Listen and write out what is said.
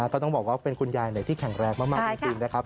ต้องบอกว่าเป็นคุณยายที่แข็งแรงมากจริงนะครับ